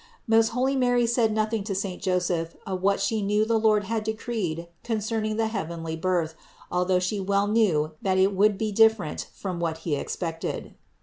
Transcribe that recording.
Most holy Mary said nothing to saint Joseph of what She knew the Lord had decreed concerning the heavenly Birth, although She well knew that it would be different from what he expected.